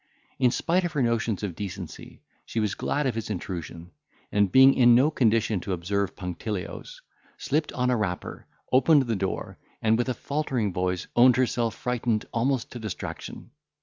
In spite of her notions of decency, she was glad of his intrusion, and, being in no condition to observe punctilios, slipped on a wrapper, opened the door, and, with a faltering voice, owned herself frightened almost to distraction.